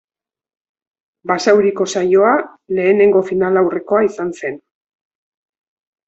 Basauriko saioa lehenengo finalaurrekoa izan zen.